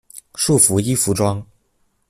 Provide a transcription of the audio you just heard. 束缚衣服装。